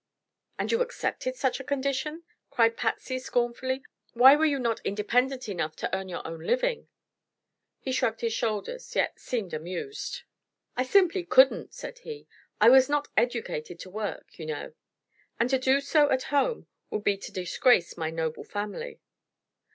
"And you accepted such a condition?" cried Patsy, scornfully. "Why were you not independent enough to earn your own living?" He shrugged his shoulders, yet seemed amused. "I simply couldn't," said he. "I was not educated to work, you know, and to do so at home would be to disgrace my noble family.